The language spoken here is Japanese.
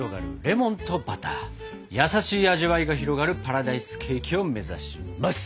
優しい味わいが広がるパラダイスケーキを目指します！